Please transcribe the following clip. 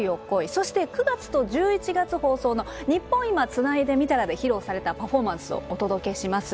そして９月と１１月放送の「ニッポン『今』つないでみたら」で披露されたパフォーマンスをお届けします。